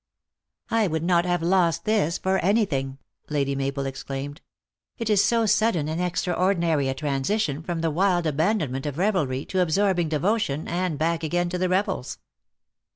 "I would not have lost this for any thing," Lady Mabel exclaimed; "It is so sudden and extraordin ary a transition from the wild abandonment of revel ry to absorbing devotion and back again to the revels.